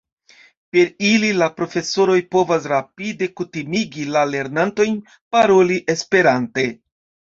Per ili la profesoroj povas rapide kutimigi la lernantojn paroli esperante.